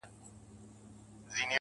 بېزاره به سي خود يـــاره له جنگه ككـرۍ.